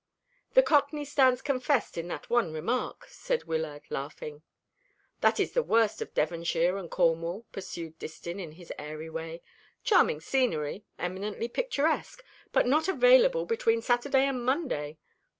"The cockney stands confessed in that one remark," said Wyllard, laughing. "That is the worst of Devonshire and Cornwall," pursued Distin, in his airy way. "Charming scenery, eminently picturesque; but not available between Saturday and Monday.